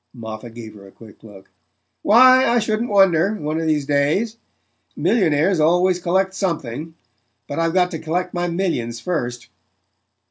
Moffatt gave her a quick look. "Why, I shouldn't wonder one of these days. Millionaires always collect something; but I've got to collect my millions first."